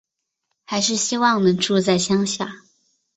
还是希望能住在乡下